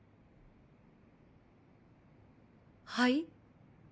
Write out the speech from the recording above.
はい？